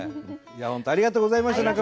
本当ありがとうございました。